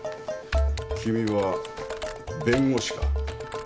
君は弁護士か？